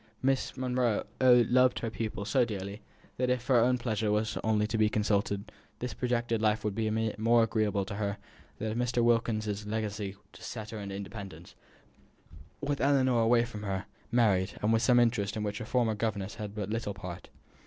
Miss Monro loved her pupil so dearly, that, if her own pleasure only were to be consulted, this projected life would be more agreeable to her than if Mr. Wilkins's legacy had set her in independence, with Ellinor away from her, married, and with interests in which her former governess had but little part.